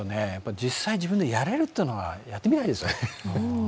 実際、自分でやれるというのは、やってみたいですね。